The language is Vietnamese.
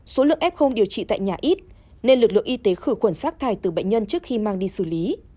số lượng f điều trị tại nhà ít nên lực lượng y tế khử khuẩn sát thải từ bệnh nhân trước khi mang đi xử lý